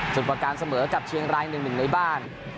ส่วนประการเสมอกับเชียงราย๑๑ในบ้าน